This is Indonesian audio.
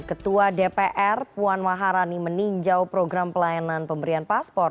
ketua dpr puan maharani meninjau program pelayanan pemberian paspor